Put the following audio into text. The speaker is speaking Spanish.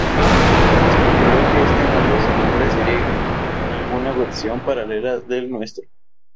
Se especuló que este mundo sin nombre sería alguna versión paralela del nuestro.